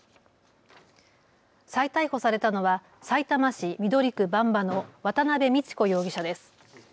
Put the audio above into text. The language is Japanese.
再逮捕されたのはさいたま市緑区馬場の渡邉美智子容疑者です。